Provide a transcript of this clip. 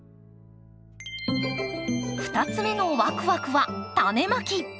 ２つ目のワクワクはタネまき！